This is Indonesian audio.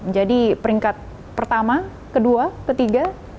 peringkat pertama kedua ketiga